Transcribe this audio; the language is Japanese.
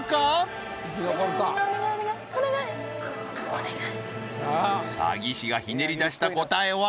お願い詐欺師がひねり出した答えは？